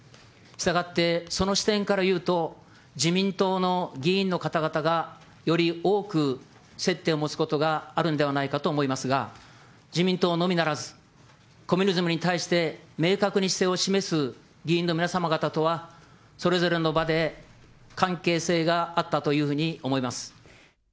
したがって、その視点からいうと、自民党の議員の方々がより多く接点を持つことがあるんではないかと思いますが、自民党のみならず、コミュニズムに対して明確に姿勢を示す議員の皆様方とは、それぞれの場で関係性があったというふうに思います。